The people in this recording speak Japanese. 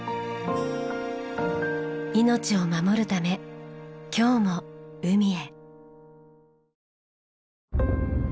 命を守るため今日も海へ。